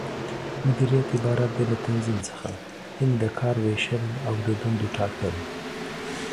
مديريت عبارت دى له تنظيم څخه، یعنې د کار وېشل او د دندو ټاکل